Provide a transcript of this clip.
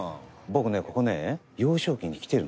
僕ねここね。